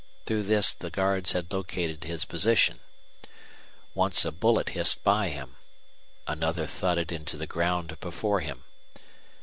Through this the guards had located his position. Once a bullet hissed by him; another thudded into the ground before him.